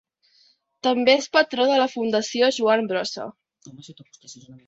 També és patró de la Fundació Joan Brossa.